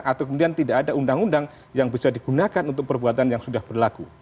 atau kemudian tidak ada undang undang yang bisa digunakan untuk perbuatan yang sudah berlaku